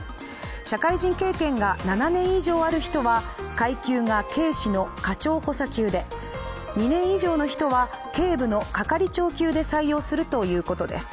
社会人経験が７年以上ある人は階級が警視の課長補佐級で２年以上の人は警部の係長級で採用するということです。